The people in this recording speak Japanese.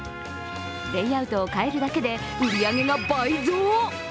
レイアウトを変えるだけで売り上げが倍増。